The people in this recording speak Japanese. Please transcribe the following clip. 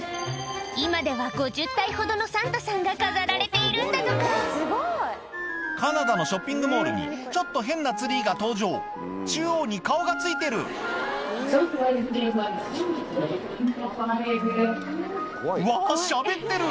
今では５０体ほどのサンタさんが飾られているんだとかカナダのショッピングモールにちょっと変なツリーが登場中央に顔が付いてるうわしゃべってる！